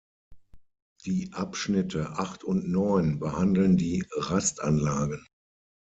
Die Abschnitte acht und neun behandeln die Rastanlagen.